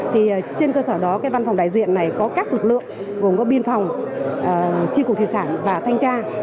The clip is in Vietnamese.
thì trên cơ sở đó cái văn phòng đại diện này có các lực lượng gồm có biên phòng tri cục thủy sản và thanh tra